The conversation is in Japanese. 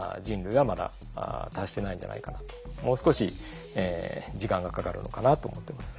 もう少し時間がかかるのかなと思ってます。